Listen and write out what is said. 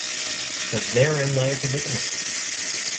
But therein lay a predicament.